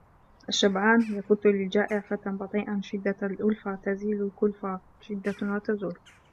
الشبعان يفُتُّ للجائع فتا بطيئا شدة الألفة تزيل الكلفة شدة وتزول